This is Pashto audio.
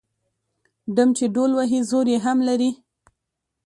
ـ ډم چې ډول وهي زور يې هم لري.